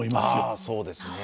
ああそうですね。